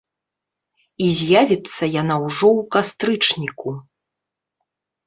І з'явіцца яна ўжо ў кастрычніку.